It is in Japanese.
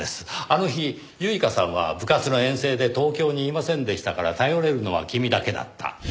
あの日唯香さんは部活の遠征で東京にいませんでしたから頼れるのは君だけだった。